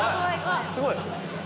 すごい！